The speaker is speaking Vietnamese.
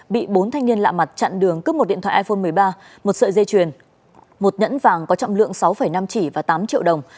bị bốn thanh niên lạ mặt chặn đường cướp một điện thoại iphone một mươi ba một sợi dây chuyền một nhẫn vàng có trọng lượng sáu năm chỉ và tám triệu đồng